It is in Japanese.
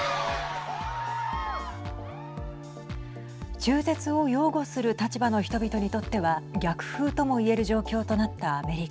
中絶を擁護する立場の人々にとっては逆風とも言える状況となったアメリカ。